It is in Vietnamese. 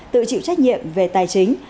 tự chịu trách nhiệm về tài chính